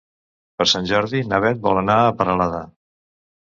Per Sant Jordi na Beth vol anar a Peralada.